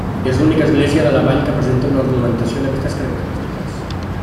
És l'única església de la vall que presenta una ornamentació d'aquestes característiques.